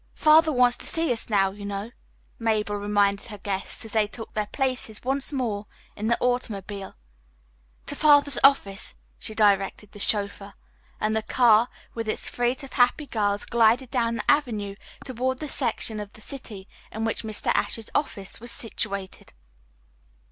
"Father wants to see us now, you know," Mabel reminded her guests, as they took their places once more in the automobile. "To Father's office," she directed the chauffeur, and the car with its freight of happy girls glided down the avenue toward the section of the city in which Mr. Ashe's office was situated.